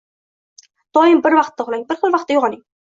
Doim bir xil vaqtda uxlang, bir xil vaqtda uyg‘oning.